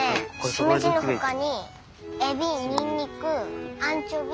しめじのほかにエビにんにくアンチョビ。